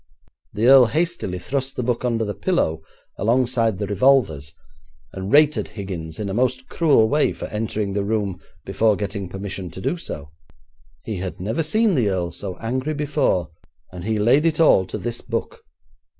The earl hastily thrust the book under the pillow, alongside the revolvers, and rated Higgins in a most cruel way for entering the room before getting permission to do so. He had never seen the earl so angry before, and he laid it all to this book.